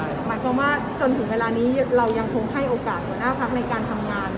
หมายความว่าจนถึงเวลานี้เรายังคงให้โอกาสหัวหน้าพักในการทำงาน